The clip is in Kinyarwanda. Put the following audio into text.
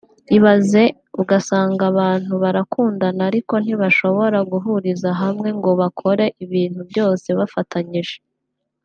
ibaze ugasanga abantu barakundana ariko ntibashobora guhuriza hamwe ngo bakore ibintu byose bafatanyije